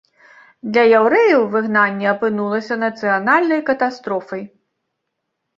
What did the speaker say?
Для яўрэяў выгнанне апынулася нацыянальнай катастрофай.